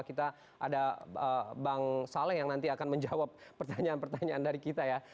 kita ada bang saleh yang nanti akan menjawab pertanyaan pertanyaan dari kita ya